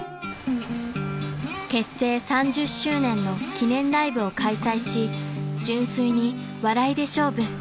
［結成３０周年の記念ライブを開催し純粋に笑いで勝負］